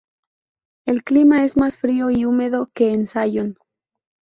El clima es más frío y húmedo que en Zion.